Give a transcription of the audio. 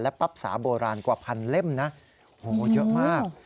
ปั๊บสาโบราณกว่าพันเล่มนะโอ้โหเยอะมาก